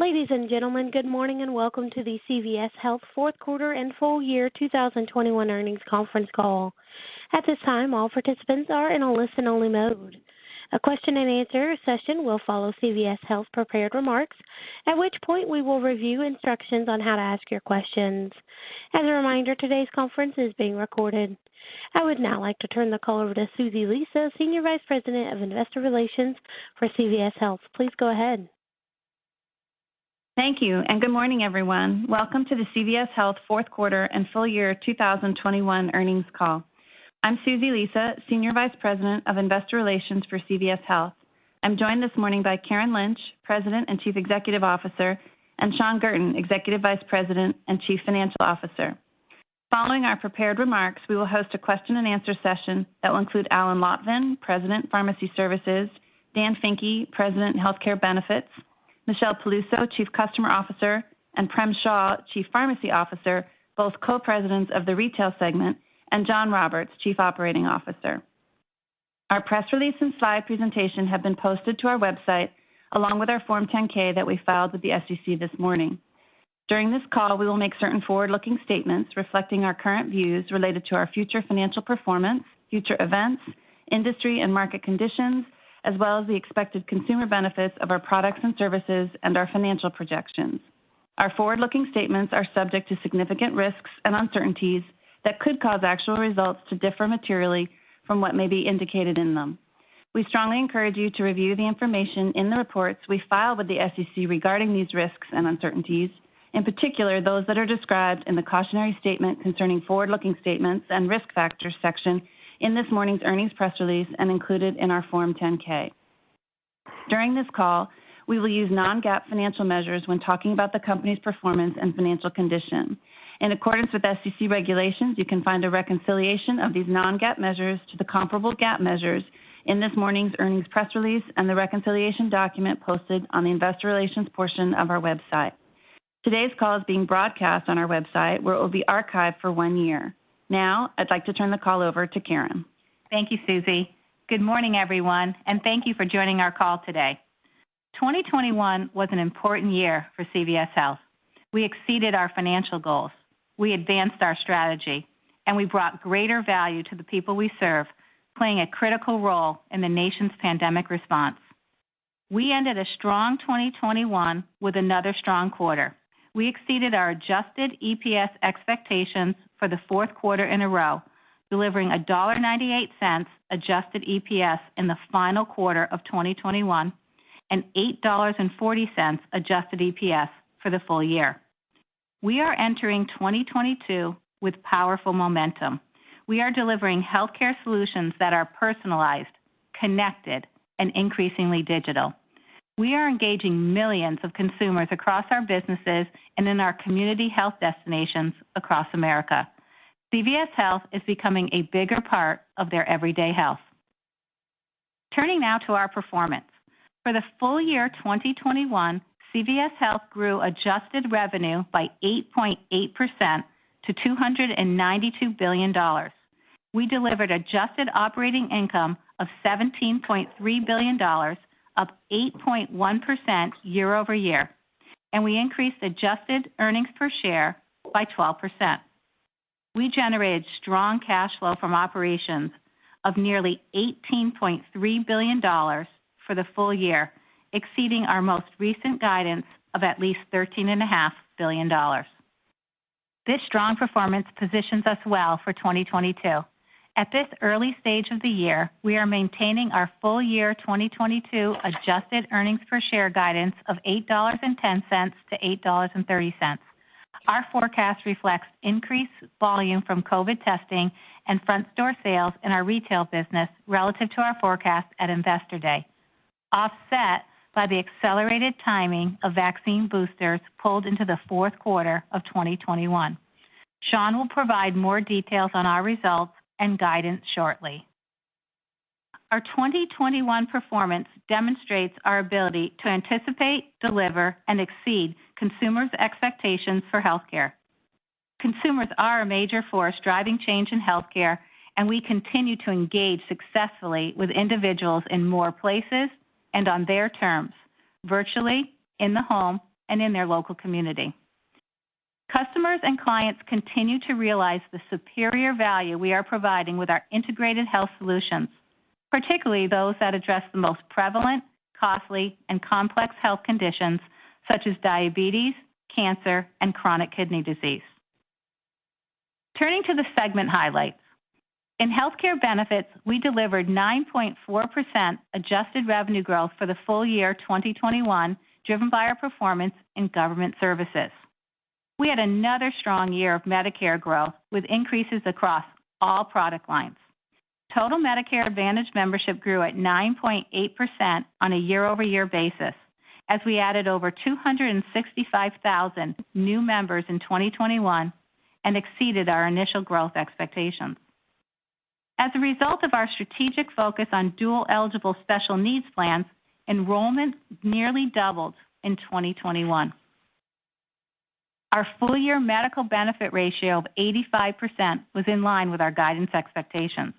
Ladies and gentlemen, good morning, and welcome to the CVS Health Fourth Quarter and Full Year 2021 Earnings Conference Call. At this time, all participants are in a listen-only mode. A question and answer session will follow CVS Health prepared remarks, at which point we will review instructions on how to ask your questions. As a reminder, today's conference is being recorded. I would now like to turn the call over to Susie Lisa, Senior Vice President, Investor Relations, CVS Health. Please go ahead. Thank you, and good morning, everyone. Welcome to the CVS Health fourth quarter and full year 2021 earnings call. I'm Susie Lisa, Senior Vice President of Investor Relations for CVS Health. I'm joined this morning by Karen Lynch, President and Chief Executive Officer, and Shawn Guertin, Executive Vice President and Chief Financial Officer. Following our prepared remarks, we will host a question-and-answer session that will include Alan Lotvin, President, Pharmacy Services, Dan Finke, President, Healthcare Benefits, Michelle Peluso, Chief Customer Officer, and Prem Shah, Chief Pharmacy Officer, both Co-Presidents of the Retail segment, and Jon Roberts, Chief Operating Officer. Our press release and slide presentation have been posted to our website, along with our Form 10-K that we filed with the SEC this morning. During this call, we will make certain forward-looking statements reflecting our current views related to our future financial performance, future events, industry, and market conditions, as well as the expected consumer benefits of our products and services and our financial projections. Our forward-looking statements are subject to significant risks and uncertainties that could cause actual results to differ materially from what may be indicated in them. We strongly encourage you to review the information in the reports we file with the SEC regarding these risks and uncertainties, in particular, those that are described in the Cautionary Statement Concerning Forward-Looking Statements and Risk Factors section in this morning's earnings press release and included in our Form 10-K. During this call, we will use non-GAAP financial measures when talking about the company's performance and financial condition. In accordance with SEC regulations, you can find a reconciliation of these non-GAAP measures to the comparable GAAP measures in this morning's earnings press release and the reconciliation document posted on the Investor Relations portion of our website. Today's call is being broadcast on our website, where it will be archived for one year. Now, I'd like to turn the call over to Karen. Thank you, Susie. Good morning, everyone, and thank you for joining our call today. 2021 was an important year for CVS Health. We exceeded our financial goals. We advanced our strategy, and we brought greater value to the people we serve, playing a critical role in the nation's pandemic response. We ended a strong 2021 with another strong quarter. We exceeded our adjusted EPS expectations for the fourth quarter in a row, delivering $1.98 adjusted EPS in the final quarter of 2021 and $8.40 adjusted EPS for the full year. We are entering 2022 with powerful momentum. We are delivering healthcare solutions that are personalized, connected, and increasingly digital. We are engaging millions of consumers across our businesses and in our community health destinations across America. CVS Health is becoming a bigger part of their everyday health. Turning now to our performance. For the full year 2021, CVS Health grew adjusted revenue by 8.8% to $292 billion. We delivered adjusted operating income of $17.3 billion, up 8.1% year-over-year, and we increased adjusted earnings per share by 12%. We generated strong cash flow from operations of nearly $18.3 billion for the full year, exceeding our most recent guidance of at least $13.5 billion. This strong performance positions us well for 2022. At this early stage of the year, we are maintaining our full year 2022 adjusted earnings per share guidance of $8.10-$8.30. Our forecast reflects increased volume from COVID testing and front-store sales in our retail business relative to our forecast at Investor Day, offset by the accelerated timing of vaccine boosters pulled into the fourth quarter of 2021. Shawn will provide more details on our results and guidance shortly. Our 2021 performance demonstrates our ability to anticipate, deliver, and exceed consumers' expectations for healthcare. Consumers are a major force driving change in healthcare, and we continue to engage successfully with individuals in more places and on their terms, virtually, in the home, and in their local community. Customers and clients continue to realize the superior value we are providing with our integrated health solutions, particularly those that address the most prevalent, costly, and complex health conditions such as diabetes, cancer, and chronic kidney disease. Turning to the segment highlights. In healthcare benefits, we delivered 9.4% adjusted revenue growth for the full year 2021, driven by our performance in government services. We had another strong year of Medicare growth, with increases across all product lines. Total Medicare Advantage membership grew at 9.8% on a year-over-year basis as we added over 265,000 new members in 2021 and exceeded our initial growth expectations. As a result of our strategic focus on dual-eligible special needs plans, enrollment nearly doubled in 2021. Our full year medical benefit ratio of 85% was in line with our guidance expectations.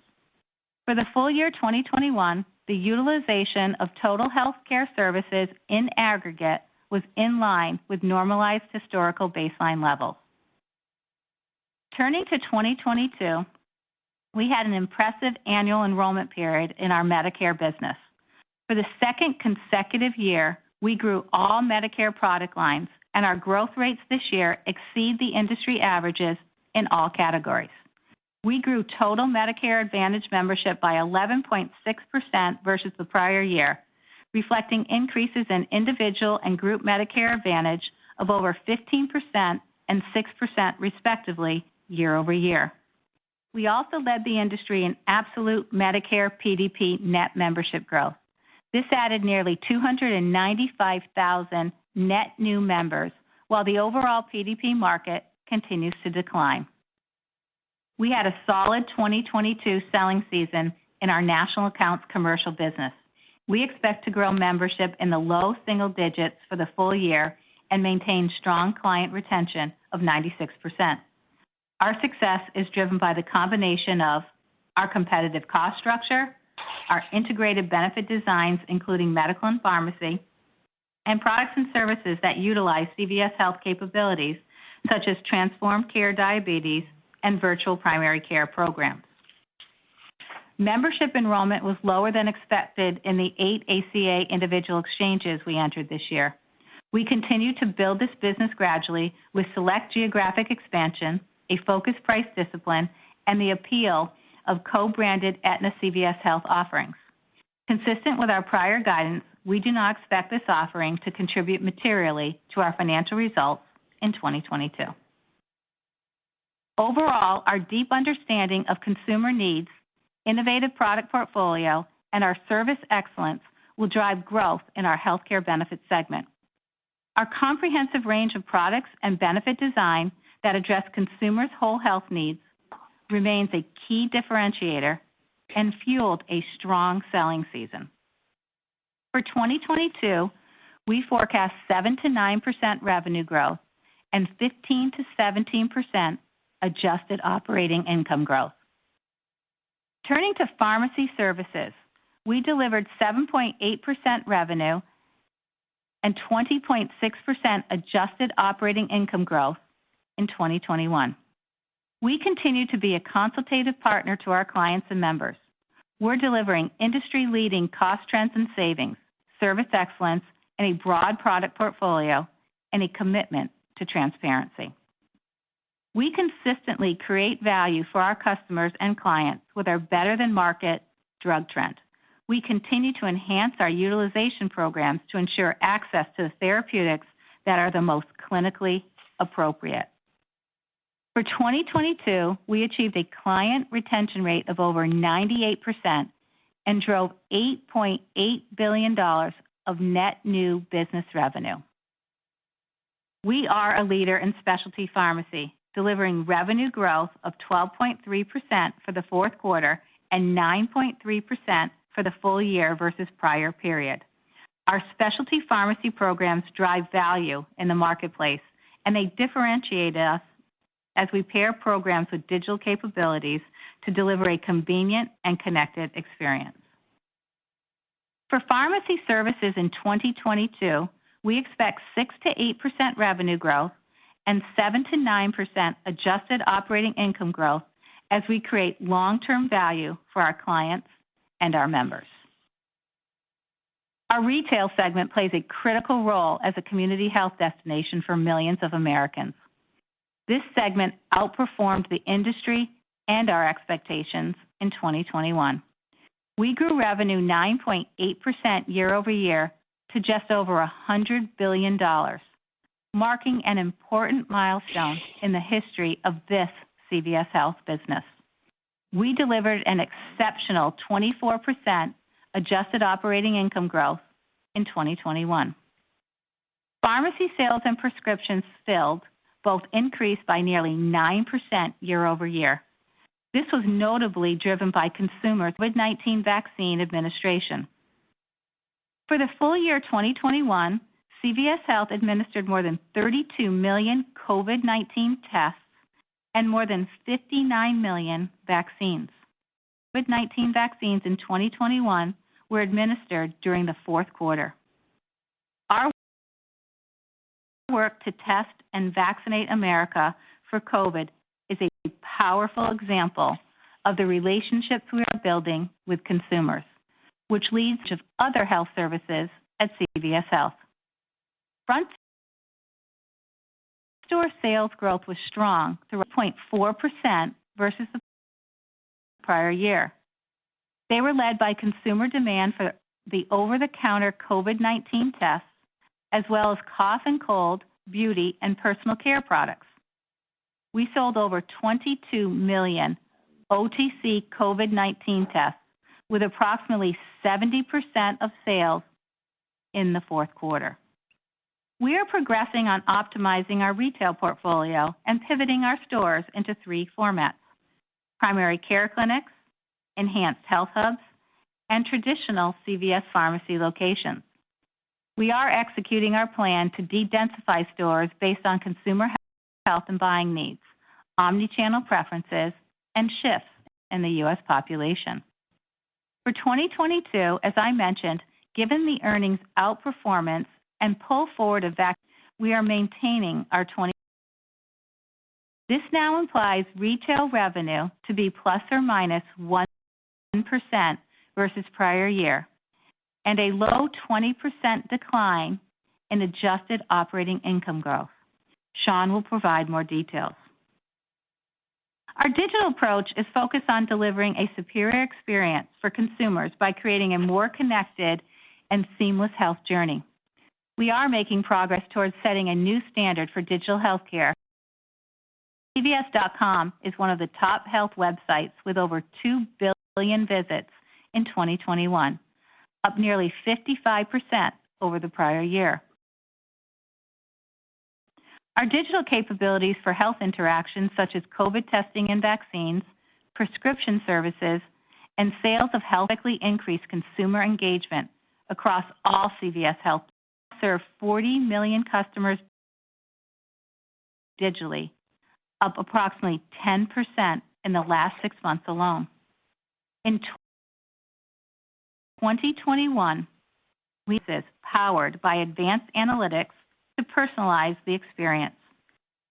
For the full year 2021, the utilization of total health care services in aggregate was in line with normalized historical baseline levels. Turning to 2022, we had an impressive annual enrollment period in our Medicare business. For the second consecutive year, we grew all Medicare product lines, and our growth rates this year exceed the industry averages in all categories. We grew total Medicare Advantage membership by 11.6% versus the prior year, reflecting increases in individual and group Medicare Advantage of over 15% and 6% respectively year-over-year. We also led the industry in absolute Medicare PDP net membership growth. This added nearly 295,000 net new members, while the overall PDP market continues to decline. We had a solid 2022 selling season in our national accounts commercial business. We expect to grow membership in the low single digits for the full year and maintain strong client retention of 96%. Our success is driven by the combination of our competitive cost structure, our integrated benefit designs, including medical and pharmacy, and products and services that utilize CVS Health capabilities, such as transformed care diabetes and virtual primary care programs. Membership enrollment was lower than expected in the eight ACA individual exchanges we entered this year. We continue to build this business gradually with select geographic expansion, a focused price discipline, and the appeal of co-branded Aetna CVS Health offerings. Consistent with our prior guidance, we do not expect this offering to contribute materially to our financial results in 2022. Overall, our deep understanding of consumer needs, innovative product portfolio, and our service excellence will drive growth in our Health Care Benefits segment. Our comprehensive range of products and benefit design that address consumers' whole health needs remains a key differentiator and fueled a strong selling season. For 2022, we forecast 7%-9% revenue growth and 15%-17% adjusted operating income growth. Turning to Pharmacy Services, we delivered 7.8% revenue and 20.6% adjusted operating income growth in 2021. We continue to be a consultative partner to our clients and members. We're delivering industry-leading cost trends and savings, service excellence, and a broad product portfolio, and a commitment to transparency. We consistently create value for our customers and clients with our better-than-market drug trend. We continue to enhance our utilization programs to ensure access to therapeutics that are the most clinically appropriate. For 2022, we achieved a client retention rate of over 98% and drove $8.8 billion of net new business revenue. We are a leader in specialty pharmacy, delivering revenue growth of 12.3% for the fourth quarter and 9.3% for the full year versus prior period. Our specialty pharmacy programs drive value in the marketplace, and they differentiate us as we pair programs with digital capabilities to deliver a convenient and connected experience. For pharmacy services in 2022, we expect 6%-8% revenue growth and 7%-9% adjusted operating income growth as we create long-term value for our clients and our members. Our retail segment plays a critical role as a community health destination for millions of Americans. This segment outperformed the industry and our expectations in 2021. We grew revenue 9.8% year-over-year to just over $100 billion, marking an important milestone in the history of this CVS Health business. We delivered an exceptional 24% adjusted operating income growth in 2021. Pharmacy sales and prescriptions filled both increased by nearly 9% year-over-year. This was notably driven by COVID-19 vaccine administration. For the full year 2021, CVS Health administered more than 32 million COVID-19 tests and more than 59 million vaccines. COVID-19 vaccines in 2021 were administered during the fourth quarter. Our work to test and vaccinate America for COVID is a powerful example of the relationships we are building with consumers, which leads to other health services at CVS Health. Front store sales growth was strong, 2.4% versus the prior year. They were led by consumer demand for the over-the-counter COVID-19 tests as well as cough and cold, beauty, and personal care products. We sold over 22 million OTC COVID-19 tests with approximately 70% of sales in the fourth quarter. We are progressing on optimizing our retail portfolio and pivoting our stores into three formats. MinuteClinics, enhanced HealthHUBs, and traditional CVS Pharmacy locations. We are executing our plan to de-densify stores based on consumer health and buying needs, omni-channel preferences, and shifts in the U.S. population. For 2022, as I mentioned, given the earnings outperformance and pull forward effects, we are maintaining our 2022-.This now implies retail revenue to be ±1% versus prior year and a low 20% decline in adjusted operating income growth. Shawn will provide more details. Our digital approach is focused on delivering a superior experience for consumers by creating a more connected and seamless health journey. We are making progress towards setting a new standard for digital healthcare. Cvs.com is one of the top health websites with over 2 billion visits in 2021, up nearly 55% over the prior year. Our digital capabilities for health interactions such as COVID testing and vaccines, prescription services, and sales of health quickly increase consumer engagement across all CVS Health. We serve 40 million customers digitally, up approximately 10% in the last six months alone. In 2021, we were powered by advanced analytics to personalize the experience.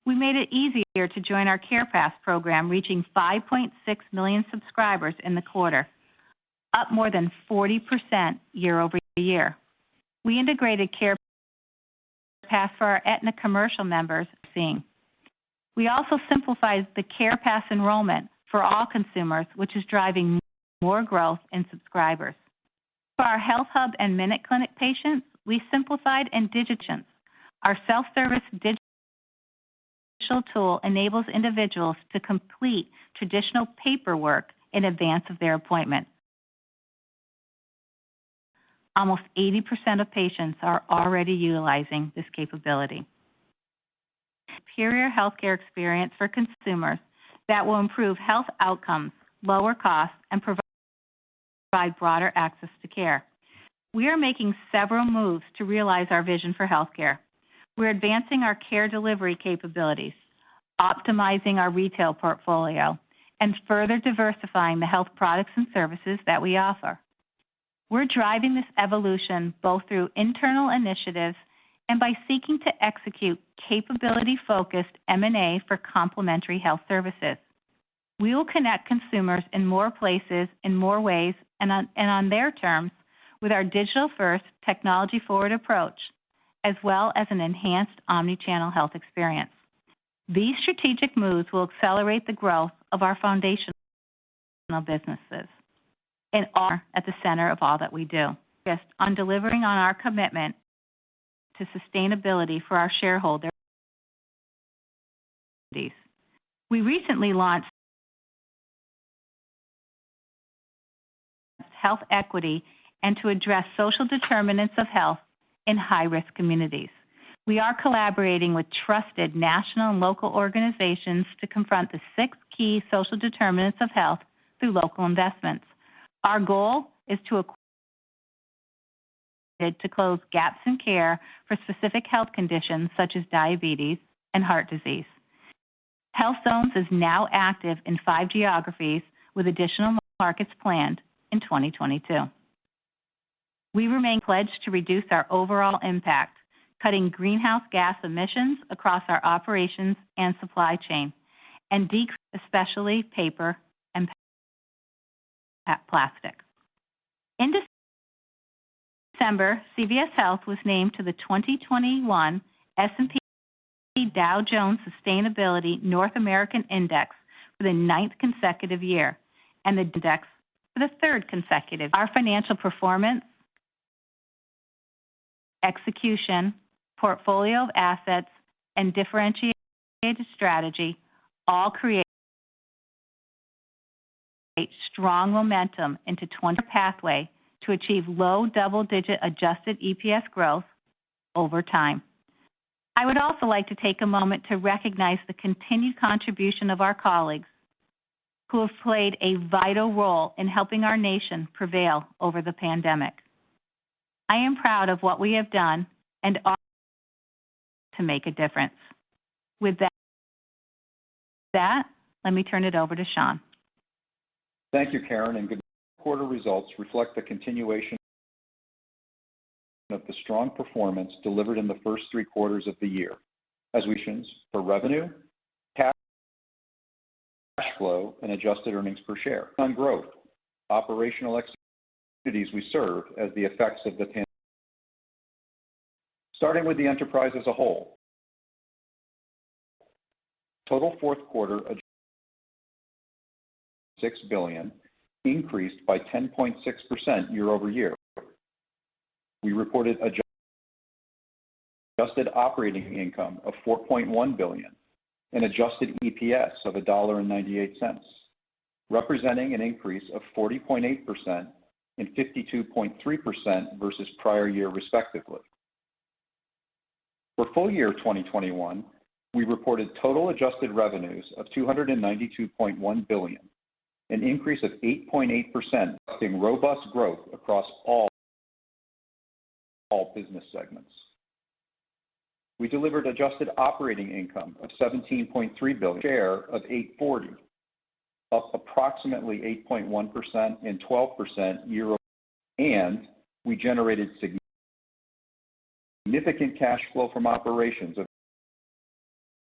We made it easier to join our CarePass program, reaching 5.6 million subscribers in the quarter, up more than 40% year-over-year. We integrated CarePass for our Aetna commercial members. We also simplified the CarePass enrollment for all consumers, which is driving more growth in subscribers. For our HealthHUB and MinuteClinic patients, we simplified and digitized. Our self-service digital tool enables individuals to complete traditional paperwork in advance of their appointment. Almost 80% of patients are already utilizing this capability. Superior healthcare experience for consumers that will improve health outcomes, lower costs, and provide broader access to care. We are making several moves to realize our vision for healthcare. We're advancing our care delivery capabilities, optimizing our retail portfolio, and further diversifying the health products and services that we offer. We're driving this evolution both through internal initiatives and by seeking to execute capability-focused M&A for complementary health services. We will connect consumers in more places in more ways and on their terms with our digital-first technology forward approach, as well as an enhanced omni-channel health experience. These strategic moves will accelerate the growth of our foundational businesses and are at the center of all that we do. On delivering on our commitment to sustainability for our shareholders. We recently launched health equity to address social determinants of health in high-risk communities. We are collaborating with trusted national and local organizations to confront the six key social determinants of health through local investments. Our goal is to close gaps in care for specific health conditions such as diabetes and heart disease. Health Zones is now active in five geographies with additional markets planned in 2022. We remain pledged to reduce our overall impact, cutting greenhouse gas emissions across our operations and supply chain, and decrease, especially paper and plastics. In December, CVS Health was named to the 2021 S&P Dow Jones Sustainability North American Index for the ninth consecutive year and the index for the third consecutive. Our financial performance, execution, portfolio of assets, and differentiated strategy all create strong momentum into 2024, a pathway to achieve low double-digit adjusted EPS growth over time. I would also like to take a moment to recognize the continued contribution of our colleagues who have played a vital role in helping our nation prevail over the pandemic. I am proud of what we have done and are doing to make a difference. With that, let me turn it over to Shawn. Thank you, Karen. Good quarter results reflect the continuation of the strong performance delivered in the first three quarters of the year as we grew revenue, cash flow, and adjusted earnings per share while investing in growth, operational opportunities we serve despite the effects of the pandemic. Starting with the enterprise as a whole. Total fourth-quarter adjusted revenues of $76 billion increased by 10.6% year-over-year. We reported adjusted operating income of $4.1 billion and adjusted EPS of $1.98, representing an increase of 40.8% and 52.3% versus prior year respectively. For full year 2021, we reported total adjusted revenues of $292.1 billion, an increase of 8.8%, seeing robust growth across all business segments. We delivered adjusted operating income of $17.3 billion, per share of $8.40, up approximately 8.1% and 12% year-over-year. We generated significant cash flow from operations of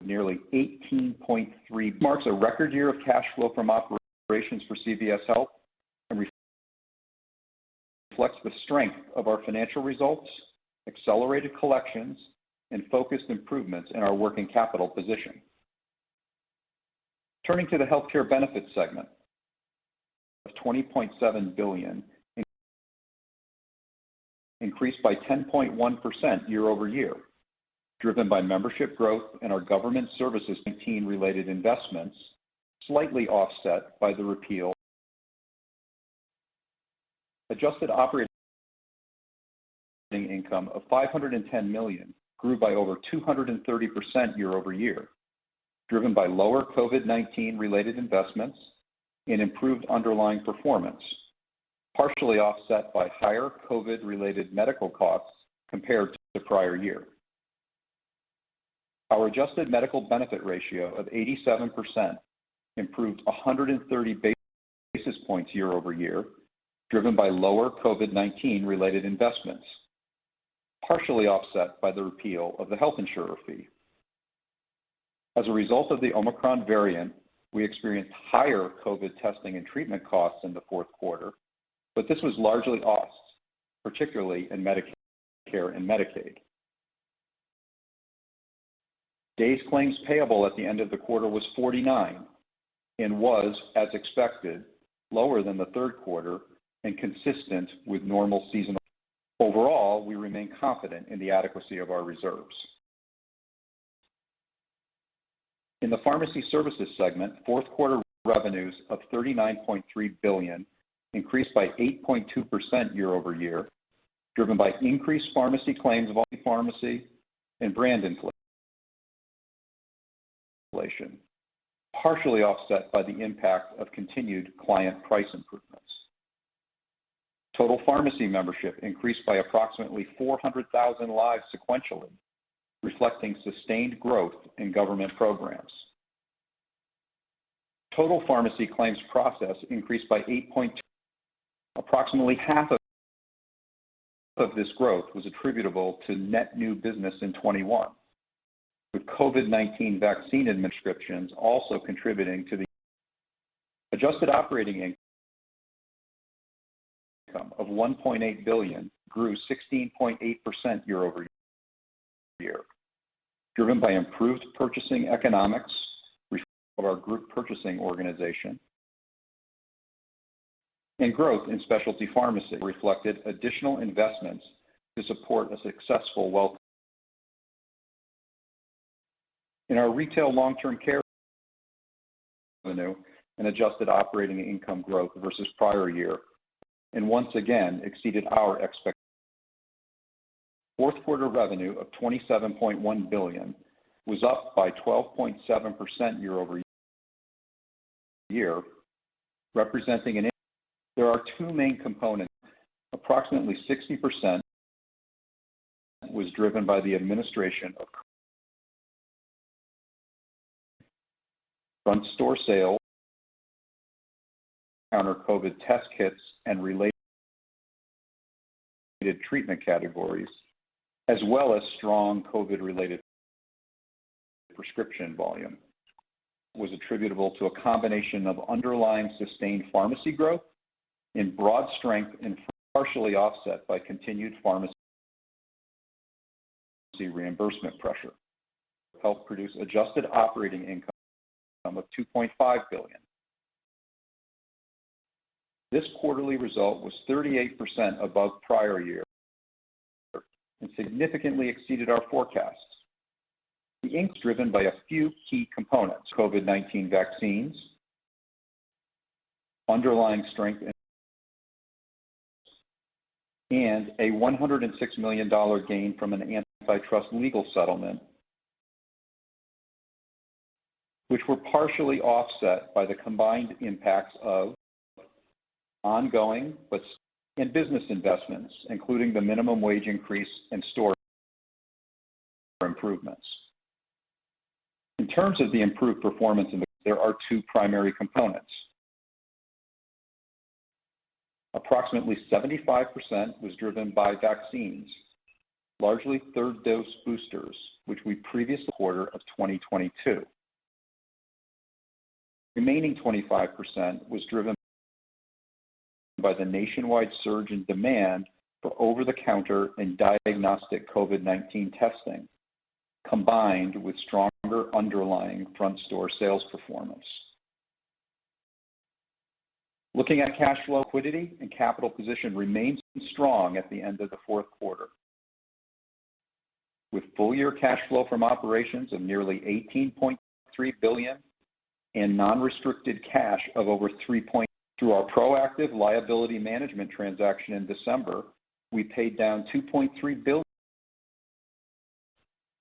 nearly $18.3 billion, marks a record year of cash flow from operations for CVS Health, and reflects the strength of our financial results, accelerated collections, and focused improvements in our working capital position. Turning to the healthcare benefits segment of $20.7 billion, increased by 10.1% year-over-year, driven by membership growth in our government services, Medicare-related investments, slightly offset by the repeal. Adjusted operating income of $510 million grew by over 230% year-over-year, driven by lower COVID-19 related investments and improved underlying performance, partially offset by higher COVID related medical costs compared to the prior year. Our adjusted medical benefit ratio of 87% improved 130 basis points year-over-year, driven by lower COVID-19 related investments, partially offset by the repeal of the health insurer fee. As a result of the Omicron variant, we experienced higher COVID testing and treatment costs in the fourth quarter, but this was largely offset, particularly in Medicare and Medicaid. Days claims payable at the end of the quarter was 49 and was, as expected, lower than the third quarter and consistent with normal seasonality. Overall, we remain confident in the adequacy of our reserves. In the pharmacy services segment, fourth quarter revenues of $39.3 billion increased by 8.2% year-over-year, driven by increased pharmacy claims, pharmacy and brand inflation, partially offset by the impact of continued client price improvements. Total pharmacy membership increased by approximately 400,000 lives sequentially, reflecting sustained growth in government programs. Total pharmacy claims processed increased by 8%. Approximately half of this growth was attributable to net new business in 2021, with COVID-19 vaccine and prescriptions also contributing to the adjusted operating income of $1.8 billion grew 16.8% year-over-year, driven by improved purchasing economics of our group purchasing organization and growth in specialty pharmacy reflected additional investments to support a successful AEP. In our retail long-term care, revenue and adjusted operating income growth versus prior year and once again exceeded our expectations. Fourth quarter revenue of $27.1 billion was up by 12.7% year-over-year, representing an. There are two main components. Approximately 60% was driven by the administration of front store sales, counter COVID test kits and related treatment categories, as well as strong COVID-related prescription volume, was attributable to a combination of underlying sustained pharmacy growth and broad strength, and partially offset by continued pharmacy reimbursement pressure. Helped produce adjusted operating income of $2.5 billion. This quarterly result was 38% above prior year and significantly exceeded our forecasts. The increase is driven by a few key components, COVID-19 vaccines, underlying strength, and a $106 million gain from an antitrust legal settlement, which were partially offset by the combined impacts of ongoing business investments, including the minimum wage increase and store improvements. In terms of the improved performance, there are two primary components. Approximately 75% was driven by vaccines, largely third dose boosters, which we previously quarter of 2022. Remaining 25% was driven by the nationwide surge in demand for over-the-counter and diagnostic COVID-19 testing, combined with stronger underlying front store sales performance. Looking at cash flow, liquidity and capital position remains strong at the end of the fourth quarter. Full-year cash flow from operations of nearly $18.3 billion. Non-restricted cash of over $3 billion. Through our proactive liability management transaction in December, we paid down $2.3 billion,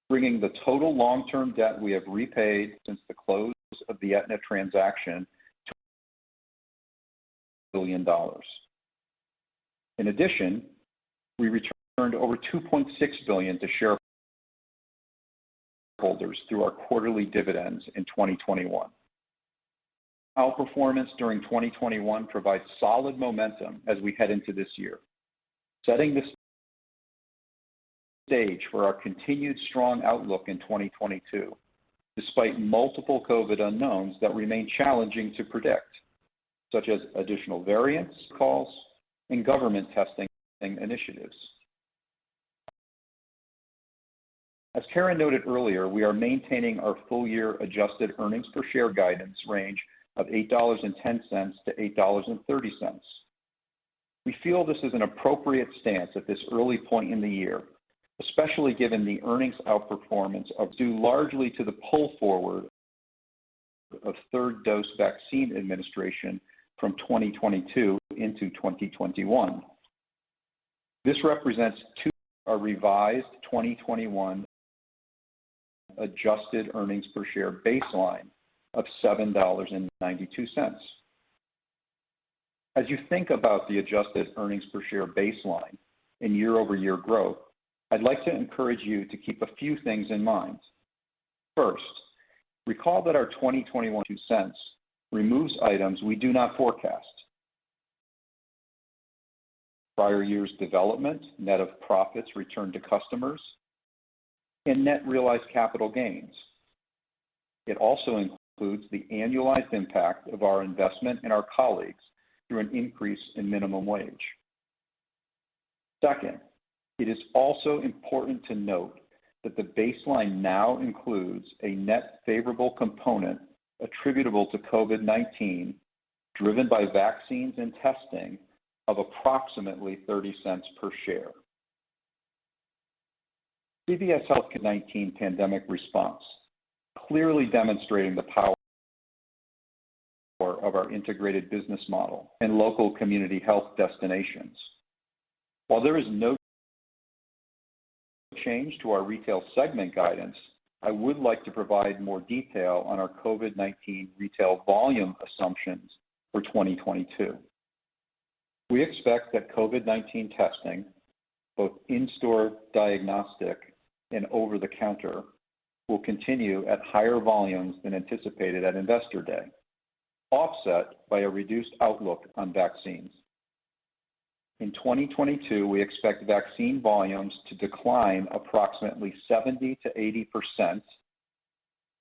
bringing the total long-term debt we have repaid since the close of the Aetna transaction to billion dollars. We returned over $2.6 billion to shareholders through our quarterly dividends in 2021. Our performance during 2021 provides solid momentum as we head into this year, setting the stage for our continued strong outlook in 2022, despite multiple COVID unknowns that remain challenging to predict, such as additional variants, calls, and government testing initiatives. As Karen noted earlier, we are maintaining our full year adjusted earnings per share guidance range of $8.10-$8.30. We feel this is an appropriate stance at this early point in the year, especially given the earnings outperformance of due largely to the pull forward of 3rd dose vaccine administration from 2022 into 2021. This represents two, a revised 2021 adjusted earnings per share baseline of $7.92. As you think about the adjusted earnings per share baseline and year-over-year growth, I'd like to encourage you to keep a few things in mind. First, recall that our 2021 adjusted EPS removes items we do not forecast, prior years' development, net of profits returned to customers, and net realized capital gains. It also includes the annualized impact of our investment in our colleagues through an increase in minimum wage. Second, it is also important to note that the baseline now includes a net favorable component attributable to COVID-19, driven by vaccines and testing of approximately $0.30 per share, CVS Health COVID-19 pandemic response, clearly demonstrating the power of our integrated business model and local community health destinations. While there is no change to our retail segment guidance, I would like to provide more detail on our COVID-19 retail volume assumptions for 2022. We expect that COVID-19 testing, both in-store diagnostic and over-the-counter, will continue at higher volumes than anticipated at Investor Day, offset by a reduced outlook on vaccines. In 2022, we expect vaccine volumes to decline approximately 70%-80%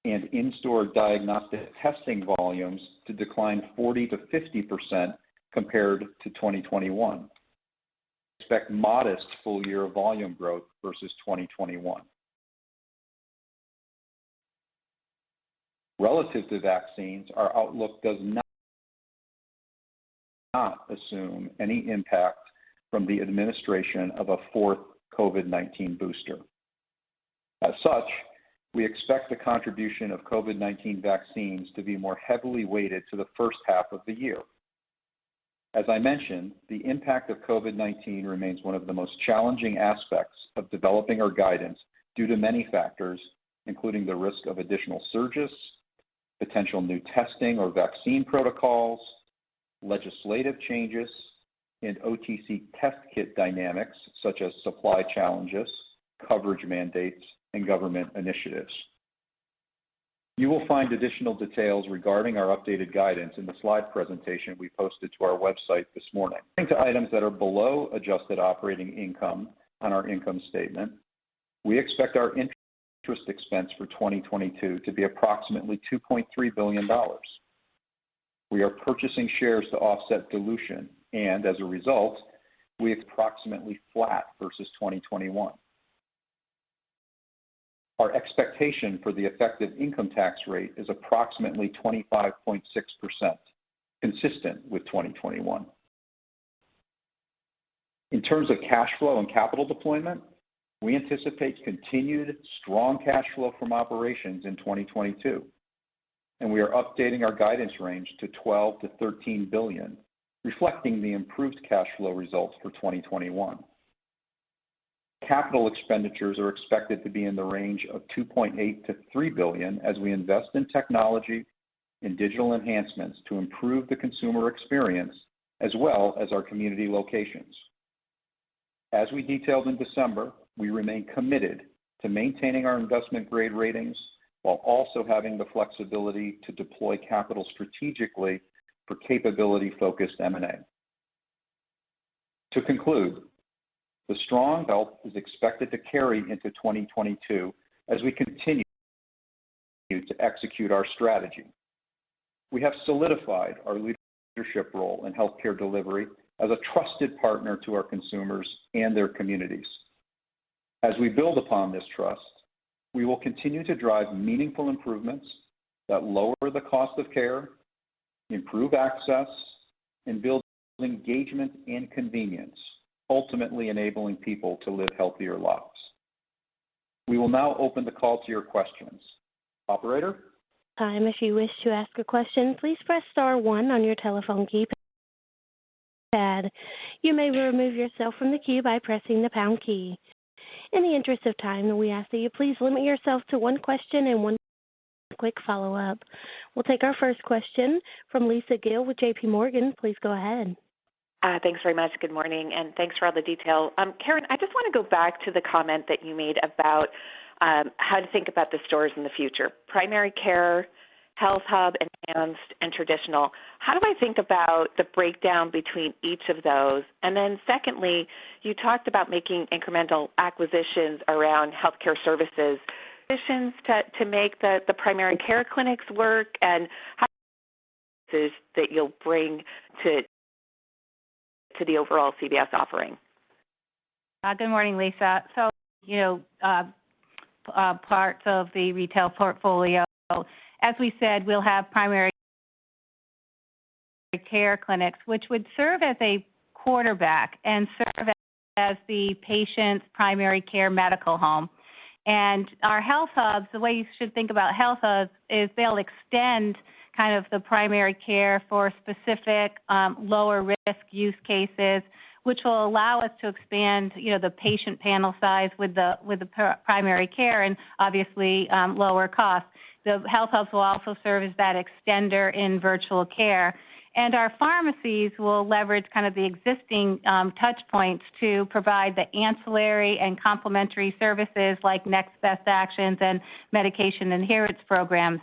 and in-store diagnostic testing volumes to decline 40%-50% compared to 2021. We expect modest full-year volume growth versus 2021. Relative to vaccines, our outlook does not assume any impact from the administration of a fourth COVID-19 booster. As such, we expect the contribution of COVID-19 vaccines to be more heavily weighted to the first half of the year. As I mentioned, the impact of COVID-19 remains one of the most challenging aspects of developing our guidance due to many factors, including the risk of additional surges, potential new testing or vaccine protocols, legislative changes, and OTC test kit dynamics such as supply challenges, coverage mandates, and government initiatives. You will find additional details regarding our updated guidance in the slide presentation we posted to our website this morning. Turning to items that are below adjusted operating income on our income statement, we expect our interest expense for 2022 to be approximately $2.3 billion. We are purchasing shares to offset dilution and as a result, we approximately flat versus 2021. Our expectation for the effective income tax rate is approximately 25.6%, consistent with 2021. In terms of cash flow and capital deployment, we anticipate continued strong cash flow from operations in 2022, and we are updating our guidance range to $12 billion-$13 billion, reflecting the improved cash flow results for 2021. Capital expenditures are expected to be in the range of $2.8 billion-$3 billion as we invest in technology and digital enhancements to improve the consumer experience as well as our community locations. As we detailed in December, we remain committed to maintaining our investment grade ratings while also having the flexibility to deploy capital strategically for capability focused M&A. To conclude, the strong health is expected to carry into 2022 as we continue to execute our strategy. We have solidified our leadership role in healthcare delivery as a trusted partner to our consumers and their communities. As we build upon this trust, we will continue to drive meaningful improvements that lower the cost of care, improve access, and build engagement and convenience, ultimately enabling people to live healthier lives. We will now open the call to your questions. Operator? At this time, if you wish to ask a question, please press star one on your telephone keypad. You may remove yourself from the queue by pressing the pound key. In the interest of time, we ask that you please limit yourself to one question and one quick follow-up. We'll take our first question from Lisa Gill with JPMorgan. Please go ahead. Thanks very much. Good morning, and thanks for all the detail. Karen, I just wanna go back to the comment that you made about how to think about the stores in the future. Primary care, HealthHUB, enhanced, and traditional. How do I think about the breakdown between each of those? Secondly, you talked about making incremental acquisitions around healthcare services. Acquisitions to make the primary care clinics work and how is it that you'll bring to the overall CVS offering? Good morning, Lisa. You know, parts of the retail portfolio. As we said, we'll have primary care clinics, which would serve as a quarterback and serve as the patient's primary care medical home. Our HealthHUBs, the way you should think about HealthHUBs is they'll extend kind of the primary care for specific, lower risk use cases, which will allow us to expand, you know, the patient panel size with the primary care and obviously, lower cost. The HealthHUBs will also serve as that extender in virtual care. Our pharmacies will leverage kind of the existing touch points to provide the ancillary and complementary services like next best actions and medication adherence programs.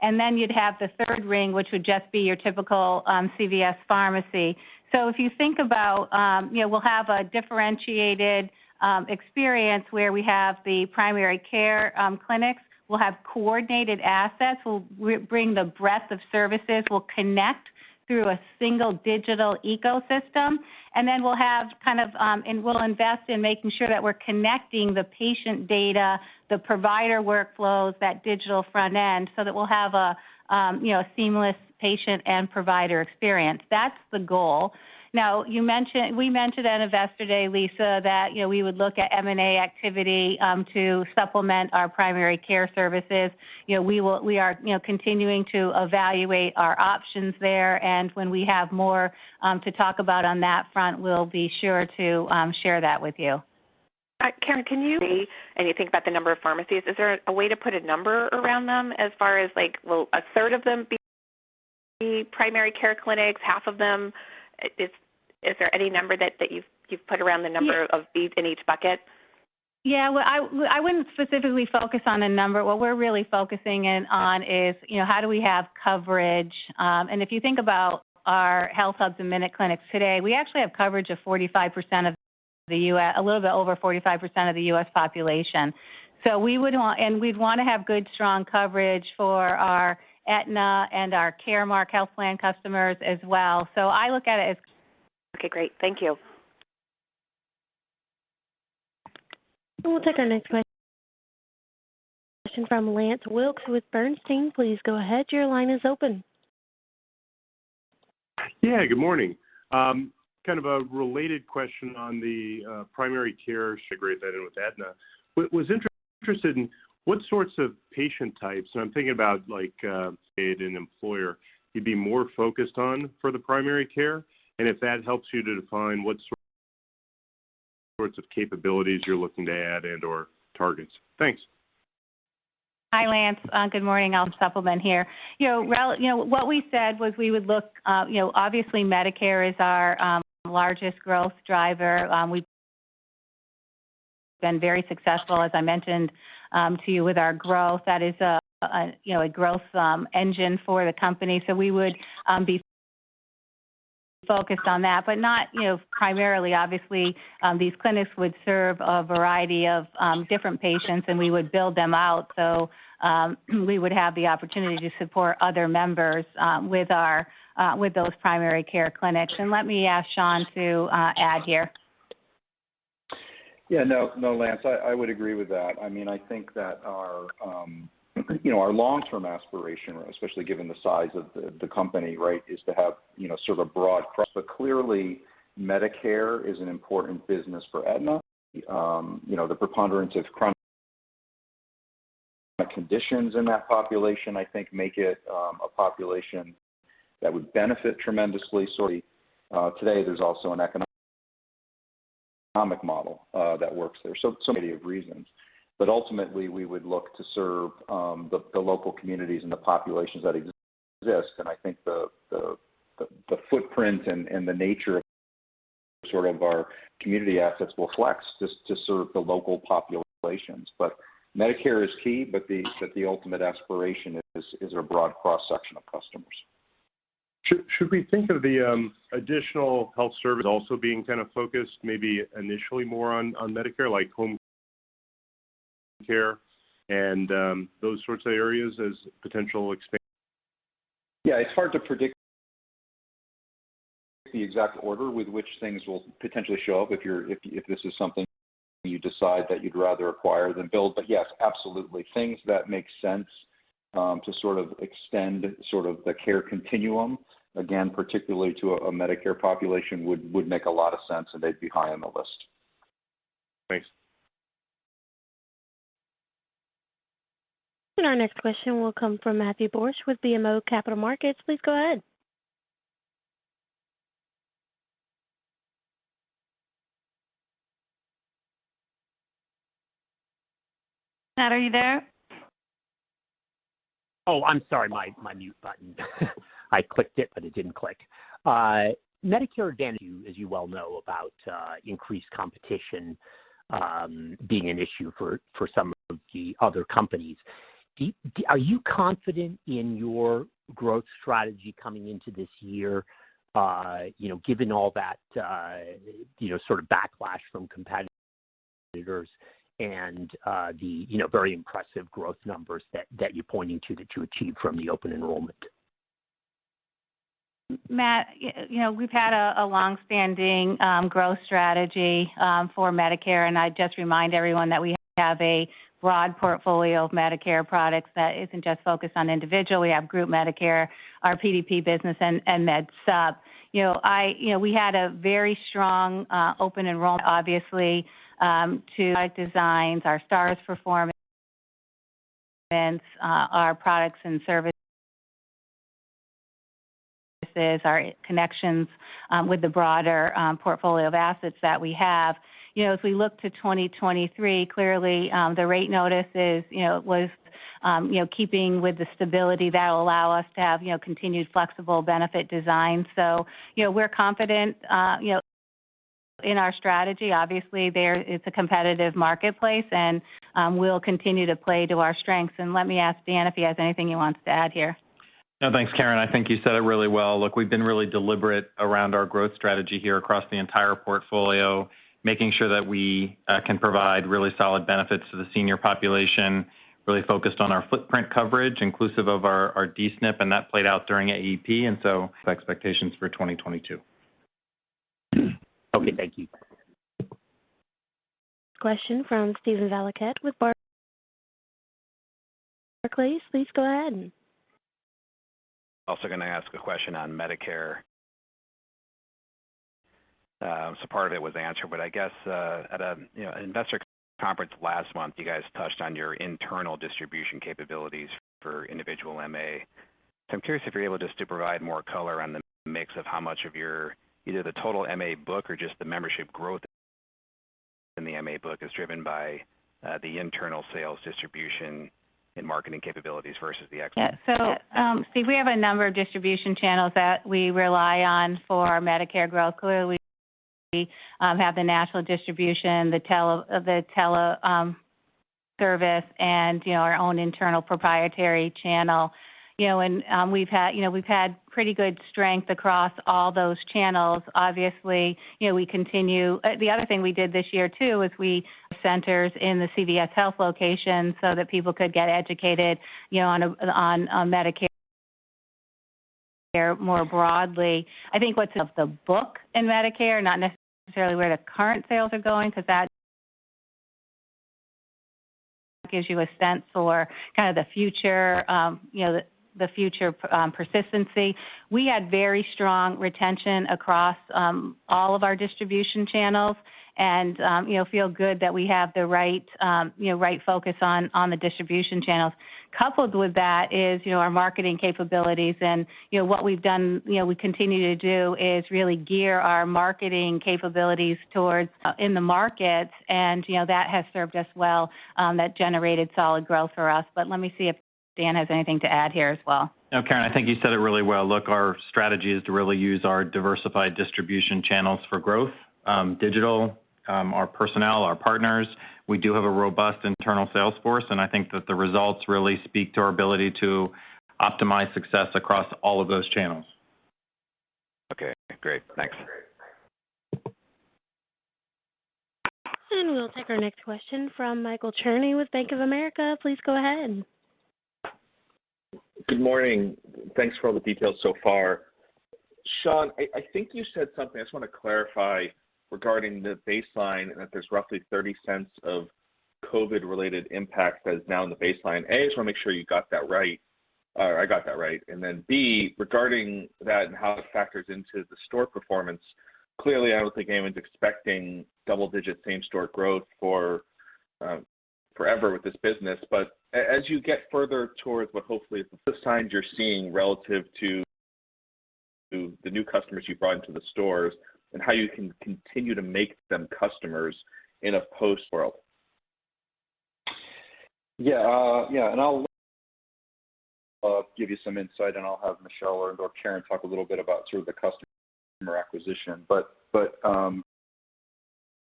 Then you'd have the third ring, which would just be your typical CVS Pharmacy. If you think about, you know, we'll have a differentiated experience where we have the primary care clinics. We'll have coordinated assets. We'll re-bring the breadth of services. We'll connect through a single digital ecosystem. Then we'll have kind of. We'll invest in making sure that we're connecting the patient data, the provider workflows, that digital front end, so that we'll have a, you know, seamless patient and provider experience. That's the goal. Now, we mentioned at Investor Day, Lisa, that, you know, we would look at M&A activity to supplement our primary care services. You know, we are, you know, continuing to evaluate our options there, and when we have more to talk about on that front, we'll be sure to share that with you. Karen, can you and you think about the number of pharmacies, is there a way to put a number around them as far as, like, will a third of them be primary care clinics, half of them? Is there any number that you've put around the number of these in each bucket? Yeah. Well, I wouldn't specifically focus on a number. What we're really focusing in on is, you know, how do we have coverage. If you think about our Health Hubs and MinuteClinics today, we actually have coverage of 45% of the U.S., a little bit over 45% of the U.S. population. We'd wanna have good, strong coverage for our Aetna and our Caremark health plan customers as well. I look at it as. Okay, great. Thank you. We'll take our next question from Lance Wilkes with Bernstein. Please go ahead. Your line is open. Yeah, good morning. Kind of a related question on the primary care integration with Aetna. I was interested in what sorts of patient types, and I'm thinking about like, say, an employer you'd be more focused on for the primary care, and if that helps you to define what sorts of capabilities you're looking to add and/or targets. Thanks. Hi, Lance. Good morning. I'll supplement here. You know, what we said was we would look, you know, obviously Medicare is our largest growth driver. We've been very successful, as I mentioned, to you with our growth. That is a growth engine for the company. We would be focused on that, but not primarily. Obviously, these clinics would serve a variety of different patients, and we would build them out. We would have the opportunity to support other members with those primary care clinics. Let me ask Shawn Guertin to add here. Yeah. No, no, Lance, I would agree with that. I mean, I think that our, you know, our long-term aspiration, especially given the size of the company, right, is to have, you know, sort of broad cross. Clearly, Medicare is an important business for Aetna. You know, the preponderance of chronic conditions in that population, I think, make it a population that would benefit tremendously. Today there's also an economic model that works there. Many reasons. Ultimately, we would look to serve the local communities and the populations that exist. I think the footprint and the nature of sort of our community assets will flex just to serve the local populations. Medicare is key, but the ultimate aspiration is a broad cross-section of customers. Should we think of the additional health service also being kind of focused maybe initially more on Medicare, like home care and those sorts of areas as potential expansion? Yeah. It's hard to predict the exact order with which things will potentially show up if this is something you decide that you'd rather acquire than build. Yes, absolutely. Things that make sense to sort of extend sort of the care continuum, again, particularly to a Medicare population would make a lot of sense, and they'd be high on the list. Thanks. Our next question will come from Matthew Borsch with BMO Capital Markets. Please go ahead. Matt, are you there? Oh, I'm sorry. My mute button. I clicked it, but it didn't click. Medicare, Dan, as you well know about increased competition being an issue for some of the other companies. Are you confident in your growth strategy coming into this year, you know, given all that, you know, sort of backlash from competitors and the, you know, very impressive growth numbers that you're pointing to that you achieved from the open enrollment? Matt, you know, we've had a long-standing growth strategy for Medicare, and I'd just remind everyone that we have a broad portfolio of Medicare products that isn't just focused on individual. We have group Medicare, our PDP business, and Med Supp. You know, we had a very strong open enrollment obviously to our designs, our stars performance, our products and service, our connections with the broader portfolio of assets that we have. You know, as we look to 2023, clearly the rate notice was keeping with the stability that will allow us to have continued flexible benefit design. You know, we're confident in our strategy. Obviously, there is a competitive marketplace, and we'll continue to play to our strengths. Let me ask Dan if he has anything he wants to add here. No, thanks, Karen. I think you said it really well. Look, we've been really deliberate around our growth strategy here across the entire portfolio, making sure that we can provide really solid benefits to the senior population, really focused on our footprint coverage, inclusive of our DSNP, and that played out during AEP. Expectations for 2022. Okay, thank you. Question from Steven Valiquette with Barclays. Please go ahead. Gonna ask a question on Medicare. Part of it was answered, but I guess at a, you know, investor conference last month, you guys touched on your internal distribution capabilities for individual MA. I'm curious if you're able just to provide more color on the mix of how much of your, either the total MA book or just the membership growth in the MA book is driven by the internal sales distribution and marketing capabilities versus the external. Yeah. Steve, we have a number of distribution channels that we rely on for Medicare growth. Clearly, we have the national distribution, the telesales, and our own internal proprietary channel. We've had pretty good strength across all those channels. The other thing we did this year, too, is we have centers in the CVS Health location so that people could get educated on Medicare more broadly. I think what's in the book in Medicare, not necessarily where the current sales are going, 'cause that gives you a sense for kinda the future persistency. We had very strong retention across all of our distribution channels and, you know, feel good that we have the right, you know, right focus on the distribution channels. Coupled with that is, you know, our marketing capabilities and, you know, what we've done, you know, we continue to do is really gear our marketing capabilities towards in the markets and, you know, that has served us well, that generated solid growth for us. Let me see if Dan has anything to add here as well. No, Karen, I think you said it really well. Look, our strategy is to really use our diversified distribution channels for growth, digital, our personnel, our partners. We do have a robust internal sales force, and I think that the results really speak to our ability to optimize success across all of those channels. Okay, great. Thanks. We'll take our next question from Michael Cherny with Bank of America. Please go ahead. Good morning. Thanks for all the details so far. Shawn, I think you said something, I just want to clarify regarding the baseline and that there's roughly $0.30 of COVID-related impact that is now in the baseline. A, I just want to make sure you got that right, or I got that right. Then, B, regarding that and how it factors into the store performance, clearly, I don't think anyone's expecting double-digit same store growth for forever with this business. As you get further towards what hopefully is the signs you're seeing relative to the new customers you've brought into the stores and how you can continue to make them customers in a post world. Yeah. Yeah, I'll give you some insight, and I'll have Michelle or and/or Karen talk a little bit about sort of the customer acquisition.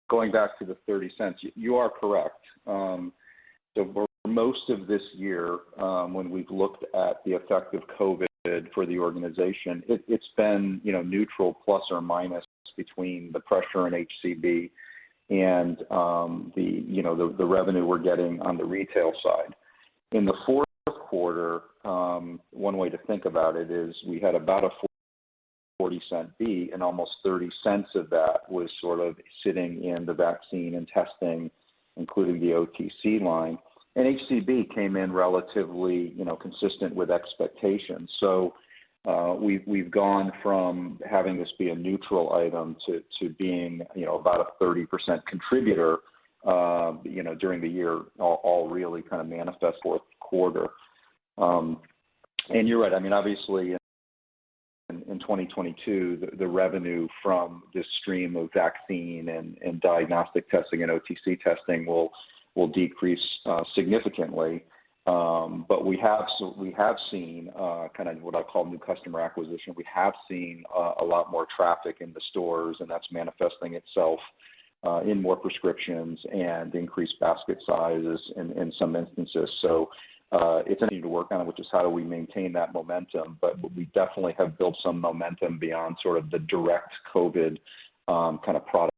Going back to the $0.30, you are correct. For most of this year, when we've looked at the effect of COVID for the organization, it's been, you know, neutral plus or minus between the pressure in HCB and, you know, the revenue we're getting on the retail side. In the fourth quarter, one way to think about it is we had about a $0.40 fee, and almost $0.30 of that was sort of sitting in the vaccine and testing, including the OTC line. HCB came in relatively, you know, consistent with expectations. We've gone from having this be a neutral item to being, you know, about a 30% contributor, you know, during the year, all really kind of manifested in the fourth quarter. You're right. I mean, obviously in 2022, the revenue from this stream of vaccine and diagnostic testing and OTC testing will decrease significantly. We have seen kind of what I call new customer acquisition. We have seen a lot more traffic in the stores, and that's manifesting itself in more prescriptions and increased basket sizes in some instances. It's something to work on, which is how do we maintain that momentum. We definitely have built some momentum beyond sort of the direct COVID kind of product